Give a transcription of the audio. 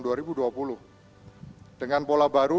dengan pola baru untuk penyiapan dan penyelenggaraan